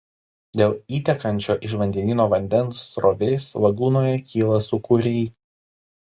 Dėl įtekančio iš vandenyno vandens srovės lagūnoje kyla sūkuriai.